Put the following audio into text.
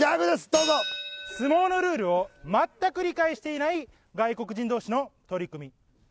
どうぞ相撲のルールを全く理解していない外国人同士の取組